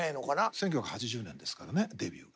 １９８０年ですからねデビューが。